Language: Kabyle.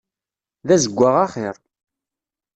D azeggaɣ axiṛ.